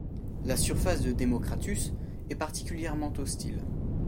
La surface de Démocratus est particulièrement hostile.